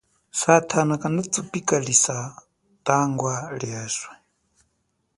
Satana kana tupikalisa tangwa lieswe.